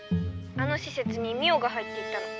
あのしせつにミオが入っていったの。